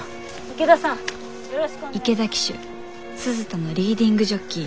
池田騎手鈴田のリーディングジョッキー